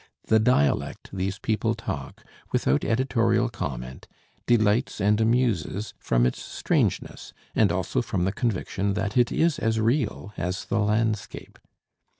The dialect these people talk, without editorial comment, delights and amuses from its strangeness, and also from the conviction that it is as real as the landscape.